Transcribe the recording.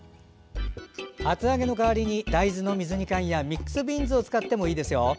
厚揚げの代わりに大豆の水煮缶やミックスビーンズを使ってもいいですよ。